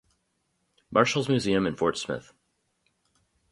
Marshals Museum in Fort Smith.